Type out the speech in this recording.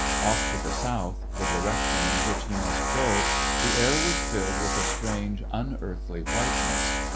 Off to the south, the direction in which he must go, the air was filled with a strange, unearthly whiteness.